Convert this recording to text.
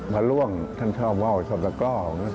พระร่วงท่านชาวเว้าชอบตะกร้าว